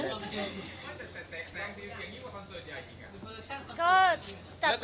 แต่แดงสิยิ่งกว่าคอนเสิร์ตยายหญิงอะ